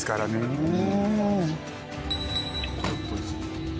うん。